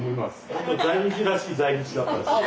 本当に在日らしい在日だったです。